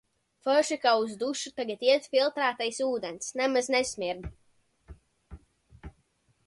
Forši, ka uz dušu tagad iet filtrētais ūdens – nemaz nesmird.